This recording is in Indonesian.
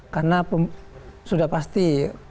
karena sudah pasti